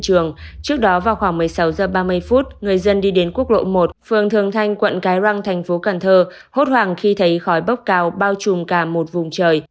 trước đó vào khoảng một mươi sáu h ba mươi người dân đi đến quốc lộ một phường thường thanh quận cái răng thành phố cần thơ hốt hoảng khi thấy khói bốc cao bao trùm cả một vùng trời